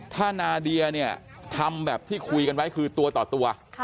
ถ้านาเดียเนี่ยทำแบบที่คุยกันไว้คือตัวต่อตัว